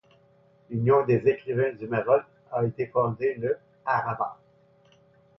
L'Union des écrivains du Maroc a été fondée le à Rabat.